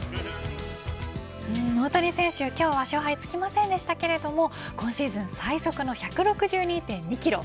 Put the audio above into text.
大谷選手、今日は勝敗がつきませんでしたが今シーズン最速の１６２．２キロ